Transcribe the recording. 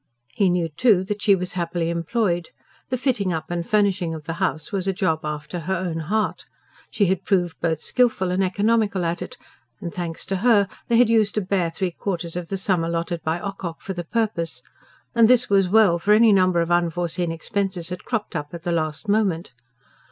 He knew, too, that she was happily employed; the fitting up and furnishing of the house was a job after her own heart. She had proved both skilful and economical at it: thanks to her, they had used a bare three quarters of the sum allotted by Ocock for the purpose and this was well; for any number of unforeseen expenses had cropped up at the last moment.